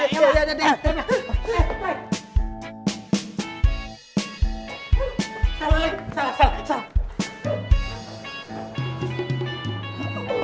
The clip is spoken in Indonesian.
salam eh salam salam